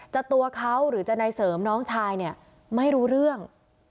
ตัวเขาหรือจะนายเสริมน้องชายเนี่ยไม่รู้เรื่อง